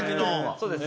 そうです。